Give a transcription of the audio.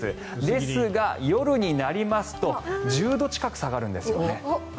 ですが、夜になりますと１０度近く下がるんですよね。